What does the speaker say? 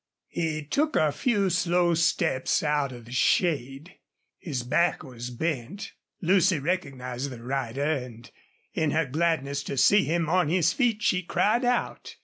He took a few slow steps out of the shade. His back was bent. Lucy recognized the rider, and in her gladness to see him on his feet she cried out.